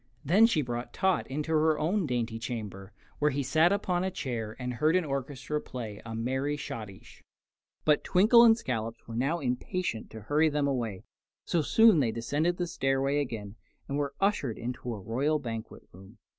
Then she brought Tot into her own dainty chamber, where he sat upon a chair and heard an orchestra play a merry schottische. But Twinkle and Scollops were now impatient to hurry them away, so soon they descended the stairway again and were ushered into the royal banquet room.